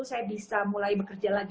saya bisa mulai bekerja lagi